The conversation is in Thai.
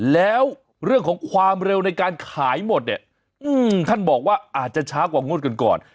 แล้วเรื่องของความเร็วในการขายหมดเนี่ยท่านบอกว่าอาจจะช้ากว่างวดก่อน